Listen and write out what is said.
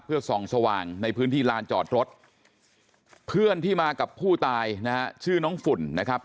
เพื่อส่องสว่างในพื้นที่ลานจอดรถเพื่อนที่มากับผู้ตายนะฮะชื่อน้องฝุ่นนะครับ